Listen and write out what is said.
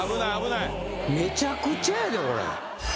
めちゃくちゃやでこれ。